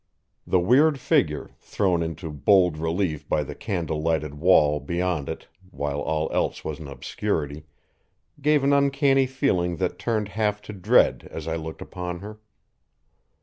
The weird figure, thrown into bold relief by the candle lighted wall beyond it while all else was in obscurity, gave an uncanny feeling that turned half to dread as I looked upon her.